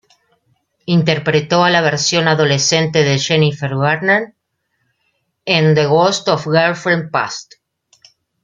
Interpretó a la versión adolescente de Jennifer Garner en "The Ghosts of Girlfriends Past".